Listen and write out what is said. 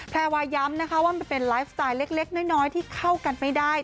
แพรวาย้ำนะคะว่ามันเป็นไลฟ์สไตล์เล็กน้อยที่เข้ากันไม่ได้